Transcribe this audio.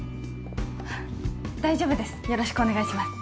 大丈夫です